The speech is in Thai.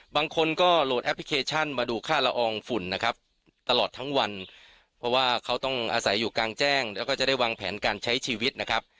บางคนก็โหลดแอปพลิเคชันมาดูค่าละอองฝุ่นนะครับตลอดทั้งวันเพราะว่าเขาต้องอาศัยอยู่กลางแจ้งแล้วก็จะได้วางแผนการใช้ชีวิตนะครับ